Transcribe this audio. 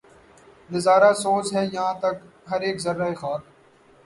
نظارہ سوز ہے یاں تک ہر ایک ذرّۂ خاک